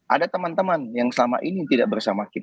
ada teman teman yang selama ini tidak bersama kita